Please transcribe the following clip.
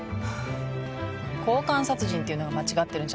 交換殺人っていうのが間違ってるんじゃない？